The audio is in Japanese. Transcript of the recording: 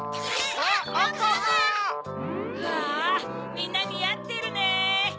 みんなにあってるね。